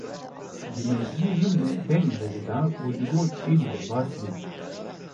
di mêjiyê min de deng vedida û digot: Êdî derbas bû!